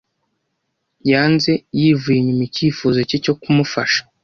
Yanze yivuye inyuma icyifuzo cye cyo kumufasha.